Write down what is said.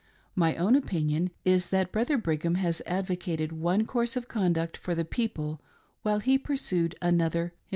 My own opinion is that Brother Brigham has advocated one course of conduct for the people while he pursued another himself.